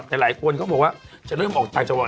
แต่หลายคนเขาบอกว่าจะเริ่มออกทางจังหวัด